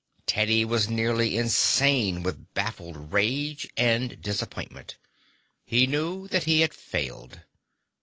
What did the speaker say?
Teddy was nearly insane with baffled rage and disappointment. He knew that he had failed.